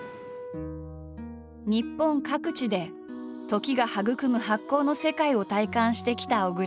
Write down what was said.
日本各地で時が育む発酵の世界を体感してきた小倉。